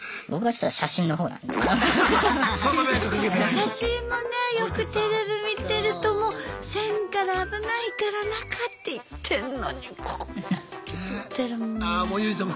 写真もねよくテレビ見てるともう線から危ないから中って言ってんのにこうやって撮ってるもんね。